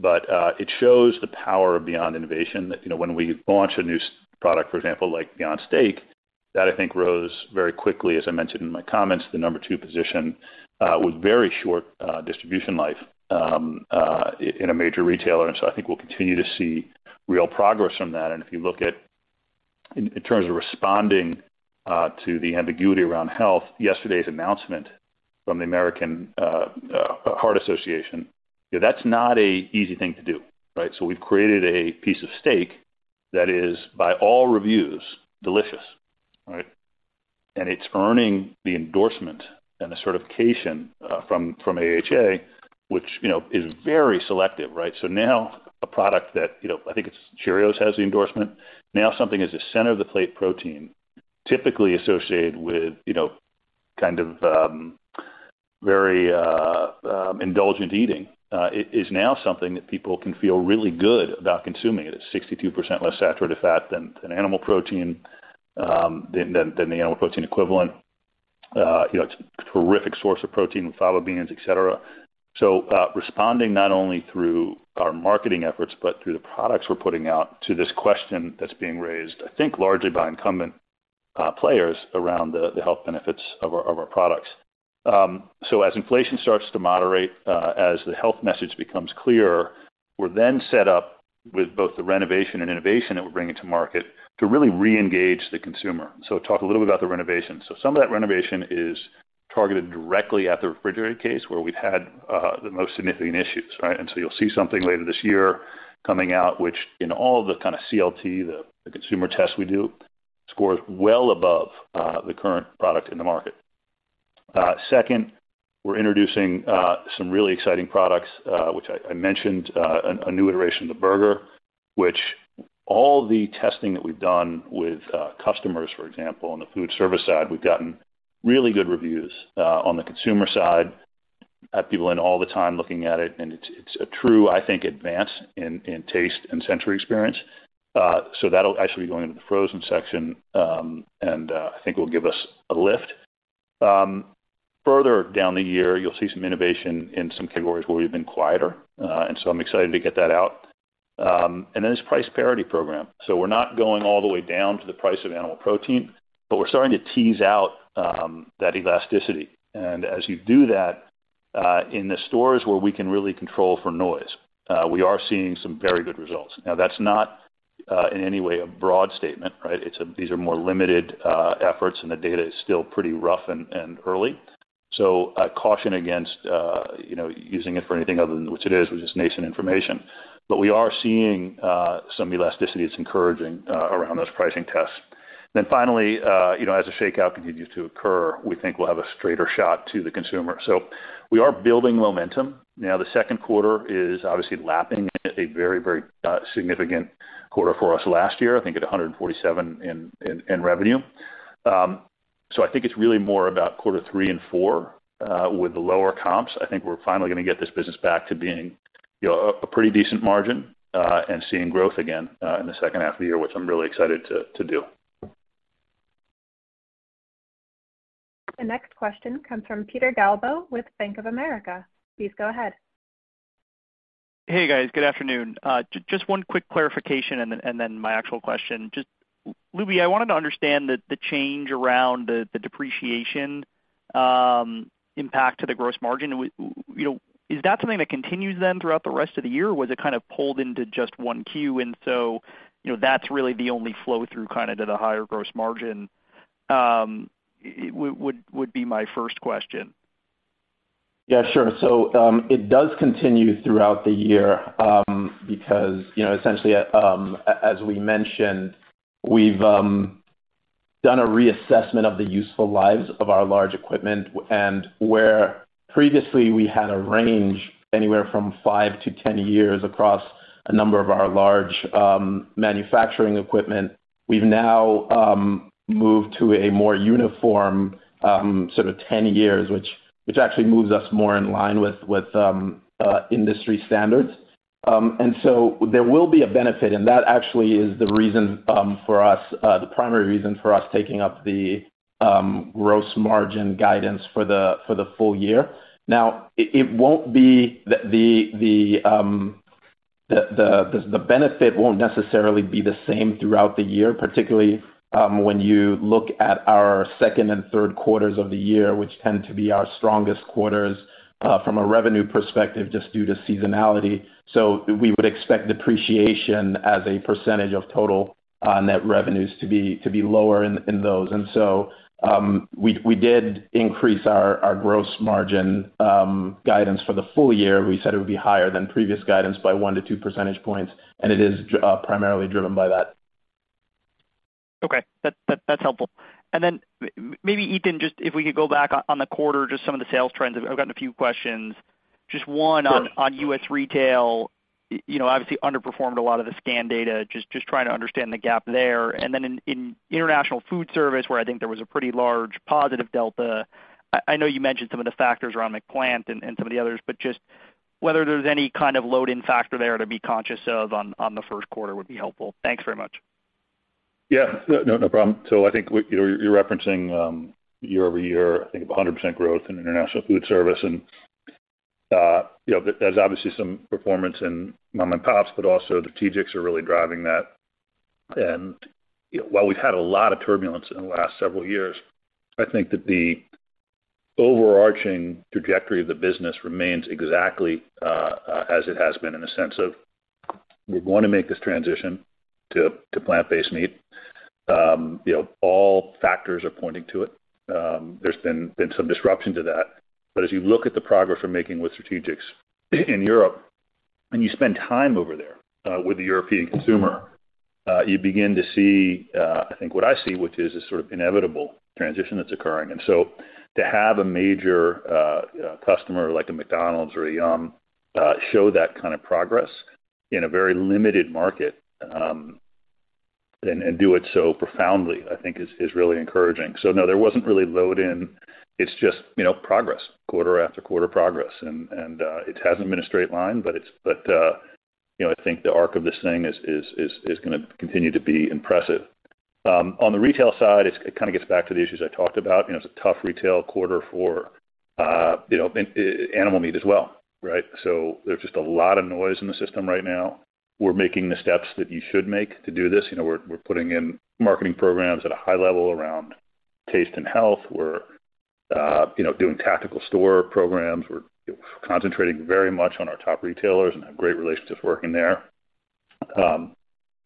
it shows the power of Beyond innovation. You know, when we launch a new product, for example, like Beyond Steak, that I think rose very quickly, as I mentioned in my comments, the number two position with very short distribution life in a major retailer. I think we'll continue to see real progress from that. If you look at, in terms of responding to the ambiguity around health, yesterday's announcement from the American Heart Association, that's not a easy thing to do, right? We've created a piece of steak that is, by all reviews, delicious, right? It's earning the endorsement and the certification from AHA, which, you know, is very selective, right? Now a product that, you know, I think it's Cheerios has the endorsement. Now, something as a center of the plate protein, typically associated with, you know, kind of very indulgent eating, is now something that people can feel really good about consuming. It is 62% less saturated fat than an animal protein than the animal protein equivalent. you know, it's a terrific source of protein with fava beans, et cetera. Responding not only through our marketing efforts, but through the products we're putting out to this question that's being raised, I think, largely by incumbent players around the health benefits of our, of our products. As inflation starts to moderate, as the health message becomes clearer, we're then set up with both the renovation and innovation that we're bringing to market to really reengage the consumer. Talk a little bit about the renovation. Some of that renovation is targeted directly at the refrigerated case where we've had the most significant issues, right? You'll see something later this year coming out, which in all the kind of CLT, the consumer tests we do, scores well above the current product in the market. Second, we're introducing some really exciting products, which I mentioned, a new iteration of the burger, which all the testing that we've done with customers, for example, on the food service side, we've gotten really good reviews, on the consumer side, have people in all the time looking at it, and it's a true, I think, advance in taste and sensory experience. So that'll actually be going into the frozen section, and I think will give us a lift. Further down the year, you'll see some innovation in some categories where we've been quieter. I'm excited to get that out. Then this price parity program. We're not going all the way down to the price of animal protein, but we're starting to tease out that elasticity. As you do that, in the stores where we can really control for noise, we are seeing some very good results. That's not, in any way a broad statement, right? These are more limited efforts, and the data is still pretty rough and early. I caution against, you know, using it for anything other than which it is, which is nascent information. We are seeing some elasticity that's encouraging around those pricing tests. Finally, you know, as the shakeout continues to occur, we think we'll have a straighter shot to the consumer. We are building momentum. The second quarter is obviously lapping a very, very significant quarter for us last year, I think at $147 million in revenue. I think it's really more about quarter three and four with the lower comps. I think we're finally gonna get this business back to being, you know, a pretty decent margin, and seeing growth again in the second half of the year, which I'm really excited to do. The next question comes from Peter Galbo with Bank of America. Please go ahead. Hey, guys. Good afternoon. just one quick clarification and then my actual question. Just, Lubi, I wanted to understand the change around the depreciation impact to the gross margin. you know, is that something that continues then throughout the rest of the year, or was it kind of pulled into just 1Q? you know, that's really the only flow through kind of to the higher gross margin, would be my first question. Yeah, sure. It does continue throughout the year, because, you know, essentially, as we mentioned, we've done a reassessment of the useful lives of our large equipment. Where previously we had a range anywhere from five to 10-years across a number of our large manufacturing equipment, we've now moved to a more uniform sort of 10-years, which actually moves us more in line with industry standards. There will be a benefit, and that actually is the reason, the primary reason for us taking up the gross margin guidance for the full year. Now, it won't be the benefit won't necessarily be the same throughout the year, particularly when you look at our second and third quarters of the year, which tend to be our strongest quarters from a revenue perspective, just due to seasonality. We would expect depreciation as a percentage of total net revenues to be lower in those. We did increase our gross margin guidance for the full year. We said it would be higher than previous guidance by one to two percentage points, and it is primarily driven by that. Okay. That's helpful. Then maybe Ethan, just if we could go back on the quarter, just some of the sales trends. I've gotten a few questions. Just one on. Sure. on U.S. retail. You know, obviously underperformed a lot of the scan data. Just trying to understand the gap there. Then in international food service, where I think there was a pretty large positive delta, I know you mentioned some of the factors around McPlant and some of the others, but just whether there's any kind of load in factor there to be conscious of on the first quarter would be helpful. Thanks very much. Yeah. No, no problem. I think what you're referencing, year-over-year, I think of 100% growth in international food service. You know, there's obviously some performance in mom and pops, but also the strategics are really driving that. While we've had a lot of turbulence in the last several years, I think that the overarching trajectory of the business remains exactly as it has been in the sense of we wanna make this transition to plant-based meat. You know, all factors are pointing to it. There's been some disruption to that. As you look at the progress we're making with strategics in Europe, and you spend time over there with the European consumer, you begin to see, I think what I see, which is a sort of inevitable transition that's occurring. To have a major customer like a McDonald's or a Yum! show that kind of progress in a very limited market and do it so profoundly, I think is really encouraging. No, there wasn't really load in. It's just, you know, progress, quarter after quarter progress. It hasn't been a straight line, but, you know, I think the arc of this thing is gonna continue to be impressive. On the retail side, it kind of gets back to the issues I talked about. You know, it's a tough retail quarter for, you know, animal meat as well, right? There's just a lot of noise in the system right now. We're making the steps that you should make to do this. You know, we're putting in marketing programs at a high level around taste and health. We're, you know, doing tactical store programs. We're concentrating very much on our top retailers and have great relationships working there.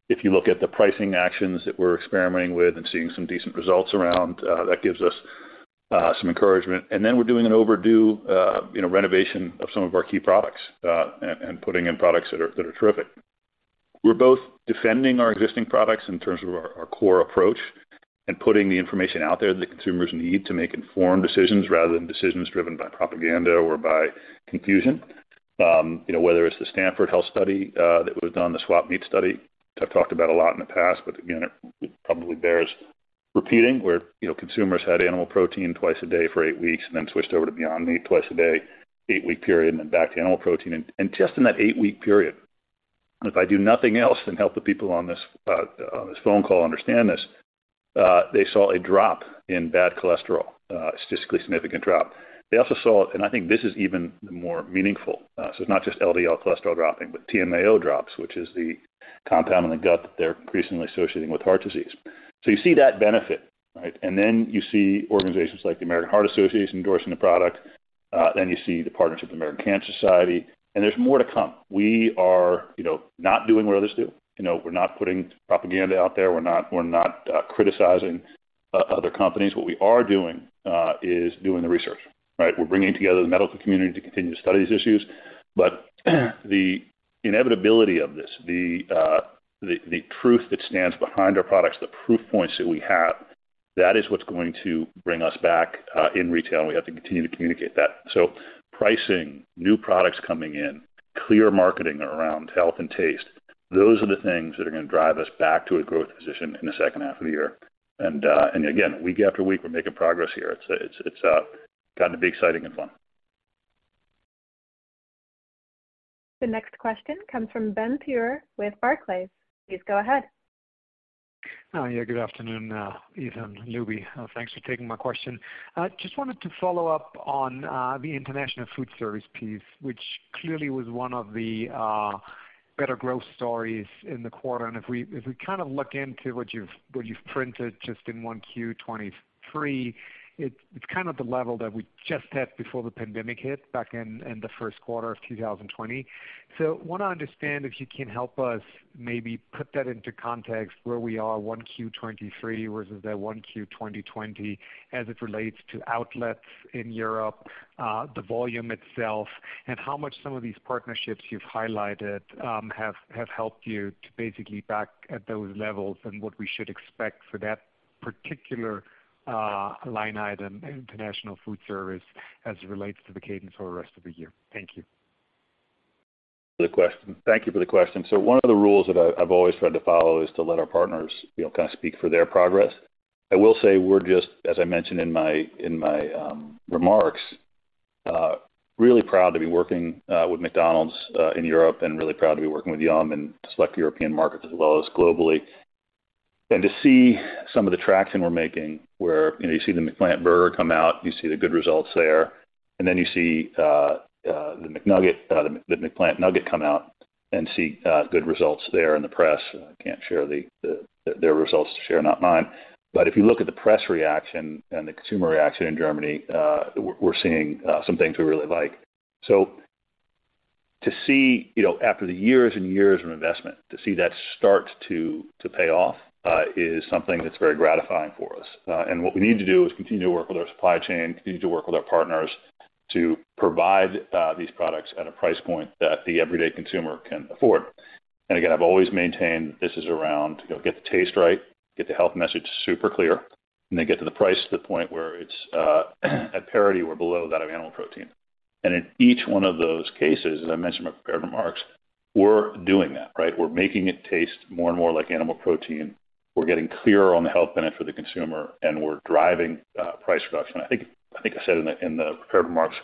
If you look at the pricing actions that we're experimenting with and seeing some decent results around, that gives us some encouragement. Then we're doing an overdue, you know, renovation of some of our key products, and putting in products that are terrific. We're both defending our existing products in terms of our core approach and putting the information out there that consumers need to make informed decisions rather than decisions driven by propaganda or by confusion. You know, whether it's the Stanford Health study, that was done, the SWAP-MEAT study. I've talked about a lot in the past, but again, it probably bears repeating where, you know, consumers had animal protein twice a day for eight weeks and then switched over to Beyond Meat twice a day, eight-week period, and then back to animal protein. Just in that eight-week period, if I do nothing else than help the people on this on this phone call understand this, they saw a drop in bad cholesterol, statistically significant drop. They also saw, and I think this is even more meaningful. It's not just LDL cholesterol dropping, but TMAO drops, which is the compound in the gut that they're increasingly associating with heart disease. You see that benefit, right? You see organizations like the American Heart Association endorsing the product. Then you see the partnership with American Cancer Society. There's more to come. We are, you know, not doing what others do. You know, we're not putting propaganda out there. We're not criticizing other companies. What we are doing is doing the research, right? We're bringing together the medical community to continue to study these issues. The inevitability of this, the truth that stands behind our products, the proof points that we have, that is what's going to bring us back in retail, and we have to continue to communicate that. Pricing, new products coming in, clear marketing around health and taste, those are the things that are gonna drive us back to a growth position in the second half of the year. Again, week after week, we're making progress here. It's gotten to be exciting and fun. The next question comes from Ben Theurer with Barclays. Please go ahead. Yeah, good afternoon, Ethan, Lubi. Thanks for taking my question. Just wanted to follow up on the international food service piece, which clearly was one of the better growth stories in the quarter. If we kind of look into what you've printed just in 1Q 2023, it's kind of the level that we just had before the pandemic hit back in the first quarter of 2020. Wanna understand if you can help us maybe put that into context where we are Q1 2023 versus the Q1 2020, as it relates to outlets in Europe, the volume itself and how much some of these partnerships you've highlighted, have helped you to basically back at those levels and what we should expect for that particular line item, international food service, as it relates to the cadence for the rest of the year? Thank you. Thank you for the question. One of the rules that I've always tried to follow is to let our partners, you know, kind of speak for their progress. I will say we're just, as I mentioned in my remarks, really proud to be working with McDonald's in Europe, and really proud to be working with Yum! in select European markets as well as globally. To see some of the traction we're making where, you know, you see the McPlant burger come out, you see the good results there. Then you see the McNugget, the McPlant Nugget come out and see good results there in the press. I can't share the results to share, not mine. If you look at the press reaction and the consumer reaction in Germany, we're seeing some things we really like. To see, you know, after the years and years of investment, to see that start to pay off, is something that's very gratifying for us. What we need to do is continue to work with our supply chain, continue to work with our partners. To provide these products at a price point that the everyday consumer can afford. Again, I've always maintained this is around, you know, get the taste right, get the health message super clear, and then get to the price to the point where it's at parity or below that of animal protein. In each one of those cases, as I mentioned in my prepared remarks, we're doing that, right? We're making it taste more and more like animal protein. We're getting clearer on the health benefit for the consumer, we're driving price reduction. I said in the prepared remarks,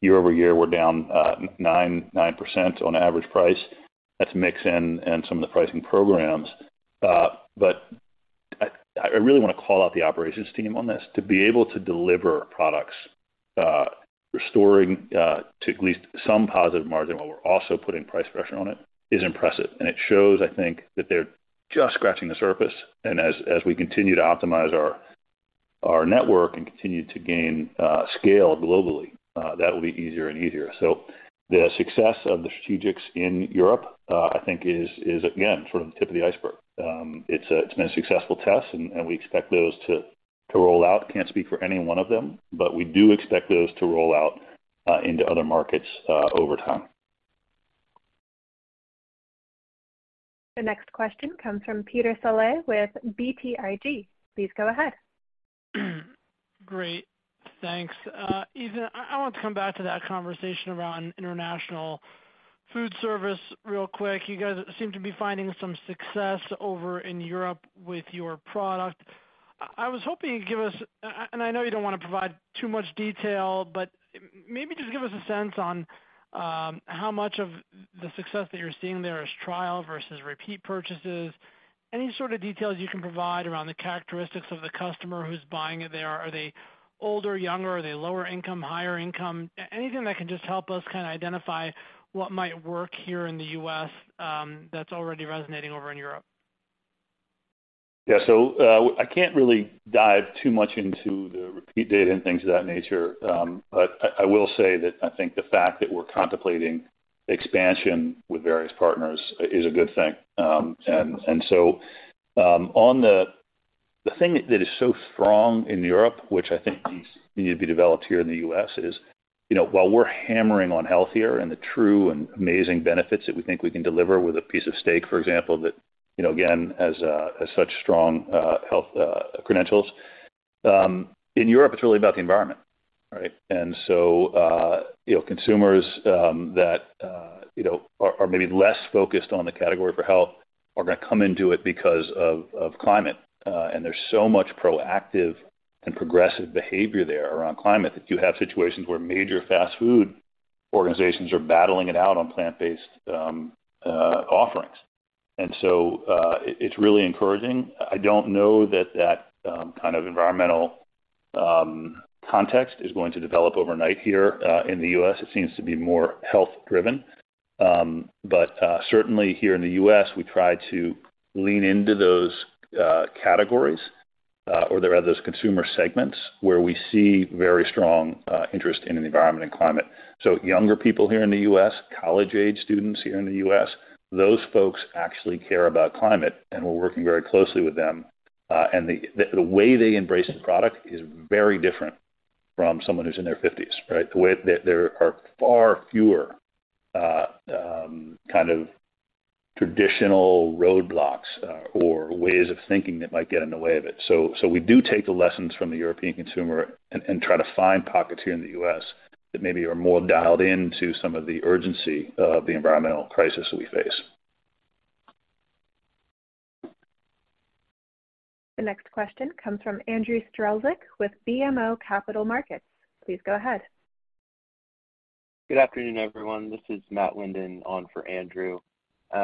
year-over-year, we're down 9% on average price. That's mix and some of the pricing programs. I really wanna call out the operations team on this. To be able to deliver products, restoring to at least some positive margin while we're also putting price pressure on it is impressive. It shows, I think, that they're just scratching the surface. As we continue to optimize our network and continue to gain scale globally, that will be easier and easier. The success of the strategics in Europe, I think is again, sort of the tip of the iceberg. It's been a successful test and we expect those to roll out. Can't speak for any one of them, but we do expect those to roll out into other markets over time. The next question comes from Peter Saleh with BTIG. Please go ahead. Great. Thanks. Ethan, I want to come back to that conversation around international food service real quick. You guys seem to be finding some success over in Europe with your product. I was hoping you'd give us. I know you don't wanna provide too much detail, but maybe just give us a sense on how much of the success that you're seeing there is trial versus repeat purchases. Any sort of details you can provide around the characteristics of the customer who's buying it there. Are they older, younger? Are they lower income, higher income? Anything that can just help us kinda identify what might work here in the U.S. that's already resonating over in Europe. I can't really dive too much into the repeat data and things of that nature. I will say that I think the fact that we're contemplating expansion with various partners is a good thing. The thing that is so strong in Europe, which I think needs to be developed here in the U.S., is, you know, while we're hammering on healthier and the true and amazing benefits that we think we can deliver with a piece of steak, for example, that, you know, again, has such strong health credentials, in Europe, it's really about the environment, right? You know, consumers that, you know, are maybe less focused on the category for health are gonna come into it because of climate. There's so much proactive and progressive behavior there around climate that you have situations where major fast food organizations are battling it out on plant-based offerings. It's really encouraging. I don't know that that kind of environmental context is going to develop overnight here in the U.S. It seems to be more health driven. Certainly here in the U.S., we try to lean into those categories, or rather those consumer segments where we see very strong interest in the environment and climate. Younger people here in the U.S., college-age students here in the U.S., those folks actually care about climate, and we're working very closely with them. The way they embrace the product is very different from someone who's in their 50s, right? There are far fewer, kind of traditional roadblocks or ways of thinking that might get in the way of it. We do take the lessons from the European consumer and try to find pockets here in the U.S. that maybe are more dialed into some of the urgency of the environmental crisis that we face. The next question comes from Andrew Strelzik with BMO Capital Markets. Please go ahead. Good afternoon, everyone. This is Matt Linden on for Andrew. Wanted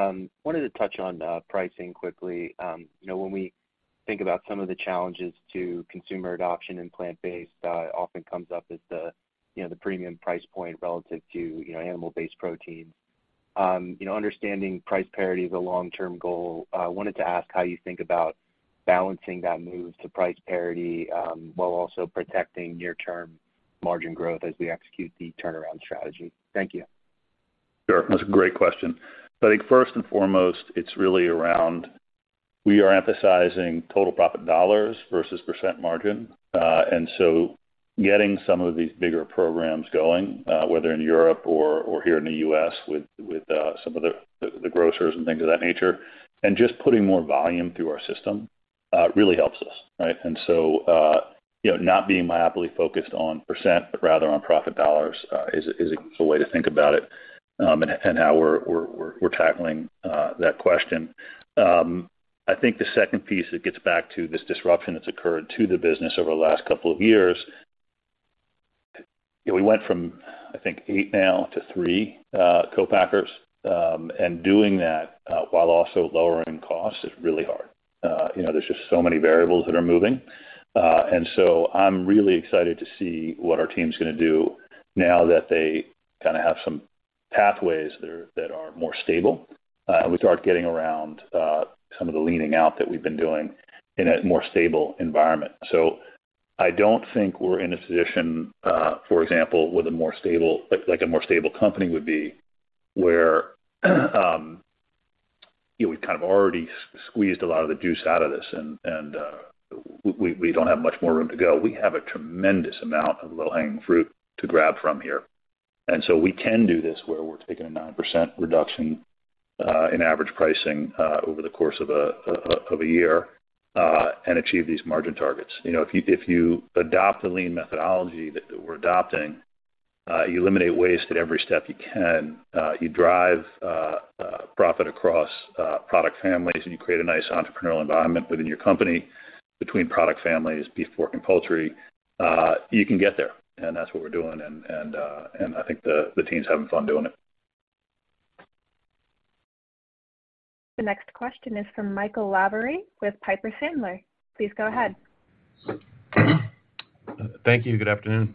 to touch on pricing quickly. You know, when we think about some of the challenges to consumer adoption in plant-based, it often comes up as the, you know, the premium price point relative to, you know, animal-based protein. You know, understanding price parity is a long-term goal, wanted to ask how you think about balancing that move to price parity, while also protecting near-term margin growth as we execute the turnaround strategy. Thank you. Sure. That's a great question. I think first and foremost, it's really around we are emphasizing total profit dollars versus percent margin. Getting some of these bigger programs going, whether in Europe or here in the U.S. with some of the grocers and things of that nature, and just putting more volume through our system really helps us, right? You know, not being myopically focused on percent, but rather on profit dollars is a way to think about it, and how we're tackling that question. I think the second piece that gets back to this disruption that's occurred to the business over the last couple of years, you know, we went from, I think, eight now to three co-packers. Doing that, while also lowering costs is really hard. You know, there's just so many variables that are moving. I'm really excited to see what our team's gonna do now that they kinda have some pathways that are more stable. We start getting around some of the leaning out that we've been doing in a more stable environment. I don't think we're in a position, for example, with a more stable company would be where we've kind of already squeezed a lot of the juice out of this, and we don't have much more room to go. We have a tremendous amount of low-hanging fruit to grab from here. We can do this where we're taking a 9% reduction in average pricing over the course of a year and achieve these margin targets. You know, if you, if you adopt the lean methodology that we're adopting, you eliminate waste at every step you can, you drive profit across product families, and you create a nice entrepreneurial environment within your company between product families, beef, pork, and poultry. You can get there, and that's what we're doing. I think the team's having fun doing it. The next question is from Michael Lavery with Piper Sandler. Please go ahead. Thank you. Good afternoon.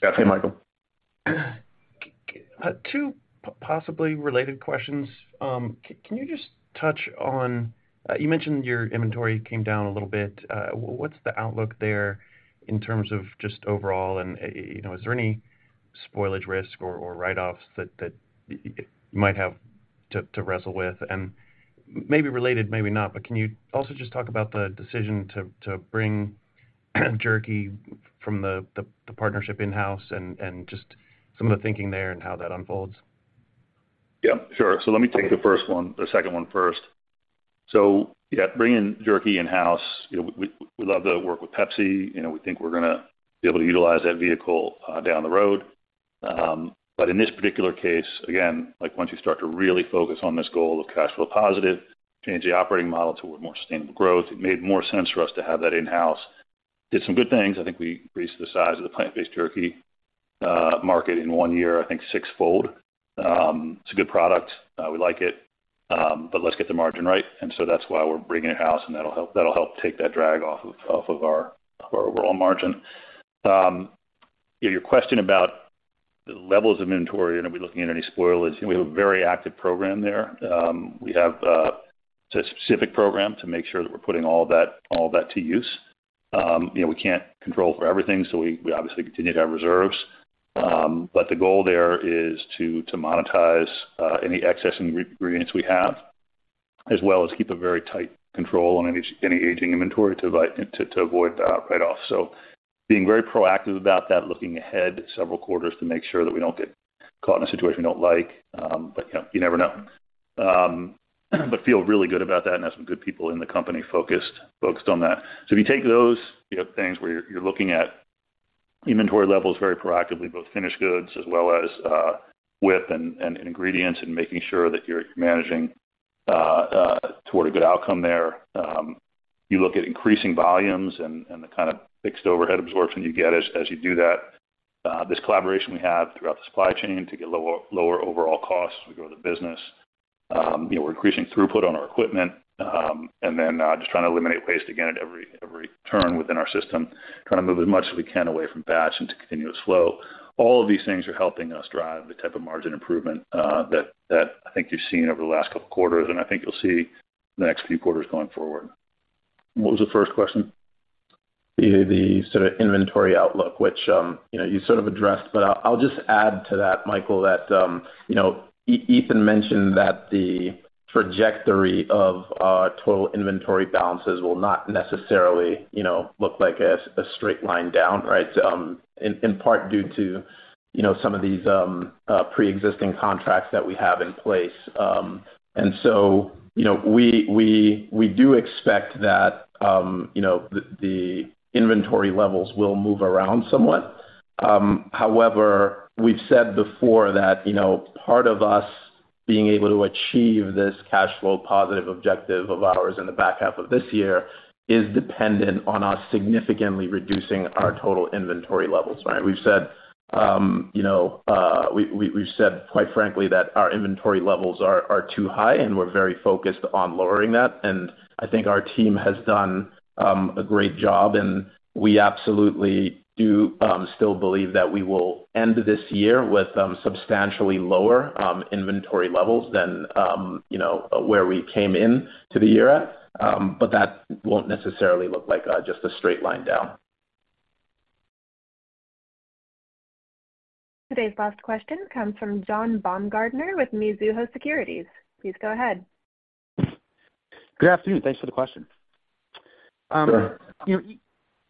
Hey, Michael. Two possibly related questions. Can you just touch on, you mentioned your inventory came down a little bit, what's the outlook there in terms of just overall? You know, is there any spoilage risk or write-offs that you might have to wrestle with? Maybe related, maybe not, but can you also just talk about the decision to bring jerky from the partnership in-house and just some of the thinking there and how that unfolds? Yeah, sure. Let me take the second one first. Yeah, bringing jerky in-house, you know, we love the work with PepsiCo. You know, we think we're gonna be able to utilize that vehicle down the road. In this particular case, again, like, once you start to really focus on this goal of cash flow positive, change the operating model toward more sustainable growth, it made more sense for us to have that in-house. Did some good things. I think we increased the size of the plant-based jerky market in one year, I think sixfold. It's a good product. We like it. Let's get the margin right, and so that's why we're bringing it in-house, and that'll help take that drag off of our overall margin. Your question about the levels of inventory and are we looking at any spoilage? We have a very active program there. We have a specific program to make sure that we're putting all that to use. You know, we can't control for everything, so we obviously continue to have reserves. The goal there is to monetize any excess ingredients we have, as well as keep a very tight control on any aging inventory to avoid the write-off. Being very proactive about that, looking ahead several quarters to make sure that we don't get caught in a situation we don't like. You know, you never know. Feel really good about that and have some good people in the company focused on that. If you take those, you know, things where you're looking at inventory levels very proactively, both finished goods as well as WIP and ingredients and making sure that you're managing toward a good outcome there. You look at increasing volumes and the kind of fixed overhead absorption you get as you do that. This collaboration we have throughout the supply chain to get lower overall costs as we grow the business. You know, we're increasing throughput on our equipment, and then just trying to eliminate waste, again, at every turn within our system, trying to move as much as we can away from batch into continuous flow. All of these things are helping us drive the type of margin improvement, that I think you've seen over the last couple of quarters, and I think you'll see the next few quarters going forward. What was the first question? The, the sort of inventory outlook, which, you know, you sort of addressed, but I'll just add to that, Michael, that, you know, Ethan mentioned that the trajectory of our total inventory balances will not necessarily, you know, look like a straight line down, right? In part due to, you know, some of these preexisting contracts that we have in place. You know, we do expect that, you know, the inventory levels will move around somewhat. However, we've said before that, you know, part of us being able to achieve this cash flow positive objective of ours in the back half of this year is dependent on us significantly reducing our total inventory levels, right? We've said, you know, we've said quite frankly that our inventory levels are too high, and we're very focused on lowering that. I think our team has done a great job, we absolutely do, still believe that we will end this year with substantially lower, inventory levels than, you know, where we came into the year at. That won't necessarily look like just a straight line down. Today's last question comes from John Baumgartner with Mizuho Securities. Please go ahead. Good afternoon. Thanks for the question. Sure. you know,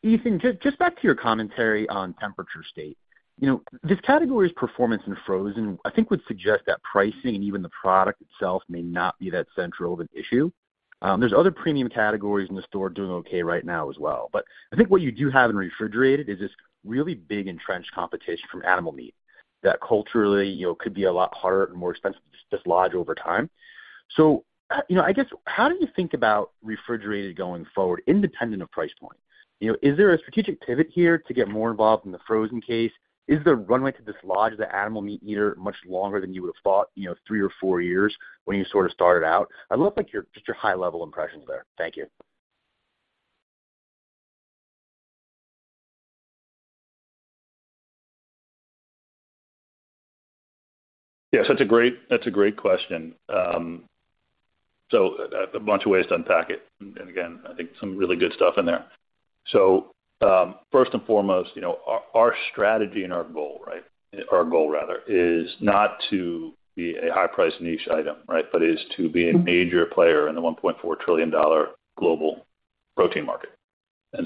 Ethan, just back to your commentary on temperature state. You know, this category's performance in frozen, I think, would suggest that pricing and even the product itself may not be that central of an issue. there's other premium categories in the store doing okay right now as well. I think what you do have in refrigerated is this really big entrenched competition from animal meat that culturally, you know, could be a lot harder and more expensive to dislodge over time. you know, I guess how do you think about refrigerated going forward, independent of price point? You know, is there a strategic pivot here to get more involved in the frozen case? Is the runway to dislodge the animal meat eater much longer than you would have thought, you know, three or four years when you sort of started out? I'd love, like, just your high-level impressions there. Thank you. Yes, that's a great question. A bunch of ways to unpack it, and again, I think some really good stuff in there. First and foremost, you know, our strategy and our goal rather is not to be a high-priced niche item, right? Is to be a major player in the $1.4 trillion global protein market.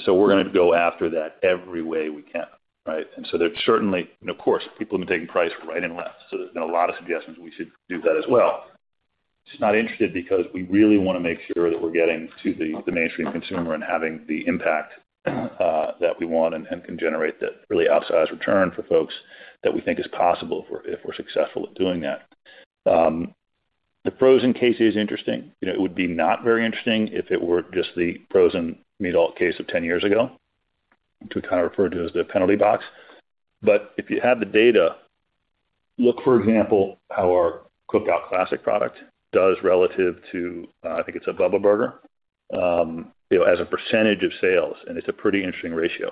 We're gonna go after that every way we can, right? There's certainly, and of course, people have been taking price right and left, so there's been a lot of suggestions we should do that as well. Just not interested because we really wanna make sure that we're getting to the mainstream consumer and having the impact that we want and can generate the really outsized return for folks that we think is possible if we're successful at doing that. The frozen case is interesting. You know, it would be not very interesting if it were just the frozen meat alt case of 10-years ago, which we kinda referred to as the penalty box. If you have the data, look, for example, how our Cookout Classic product does relative to, I think it's a BUBBA burger, you know, as a percent of sales, and it's a pretty interesting ratio.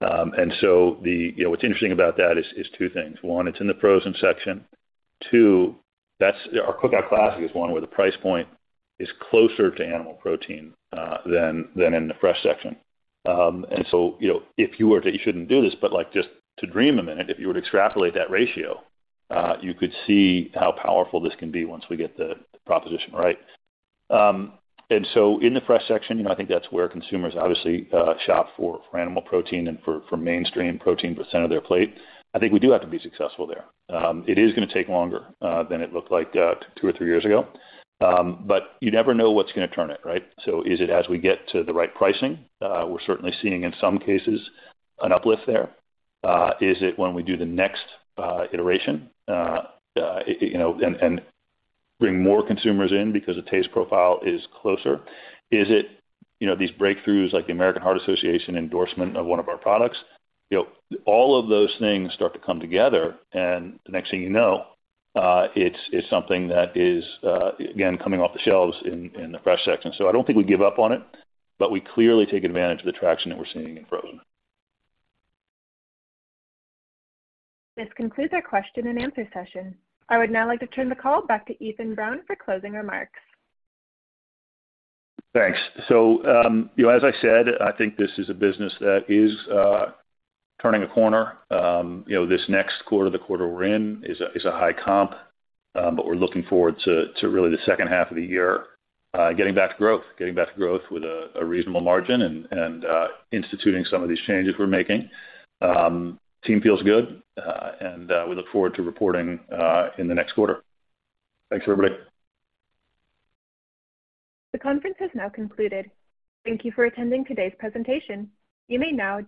You know, what's interesting about that is two things. One, it's in the frozen section. That's our Cookout Classic is one where the price point is closer to animal protein than in the fresh section. You know, if you were to... You shouldn't do this, but, like, just to dream a minute, if you were to extrapolate that ratio, you could see how powerful this can be once we get the proposition right. In the fresh section, you know, I think that's where consumers obviously shop for animal protein and for mainstream protein percent of their plate. I think we do have to be successful there. It is gonna take longer than it looked like two or three years ago. You never know what's gonna turn it, right? Is it as we get to the right pricing? We're certainly seeing in some cases an uplift there. Is it when we do the next iteration, you know, and bring more consumers in because the taste profile is closer? Is it, you know, these breakthroughs like the American Heart Association endorsement of one of our products? You know, all of those things start to come together, and the next thing you know, it's something that is again coming off the shelves in the fresh section. I don't think we give up on it, but we clearly take advantage of the traction that we're seeing in frozen. This concludes our question and answer session. I would now like to turn the call back to Ethan Brown for closing remarks. Thanks. you know, as I said, I think this is a business that is turning a corner. you know, this next quarter, the quarter we're in, is a high comp, but we're looking forward to really the second half of the year, getting back to growth. Getting back to growth with a reasonable margin and instituting some of these changes we're making. team feels good, and we look forward to reporting in the next quarter. Thanks, everybody. The conference has now concluded. Thank you for attending today's presentation. You may now disconnect.